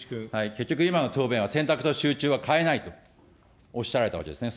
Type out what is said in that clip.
結局今の答弁は選択と集中は変えないとおっしゃられたわけですね。